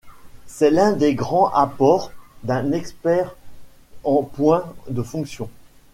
C’est l’un des grands apports d’un expert en points de fonction.